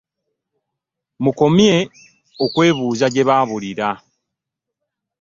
Mukomye okwebuuza gye baabulira.